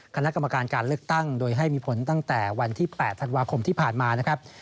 คณะกรรมการการเลือกตั้งโดยให้มีผลตั้งแต่วันที่๘ธันวาคมที่ผ่านมานะครับ